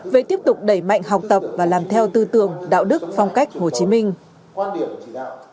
về tiếp tục đẩy mạnh học tập và làm theo tư tưởng đạo đức phong cách hồ chí minh